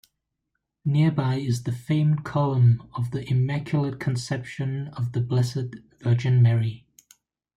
Nearby is the famed Column of the Immaculate Conception of the Blessed Virgin Mary.